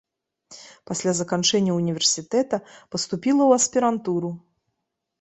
Пасля заканчэння універсітэта паступіла ў аспірантуру.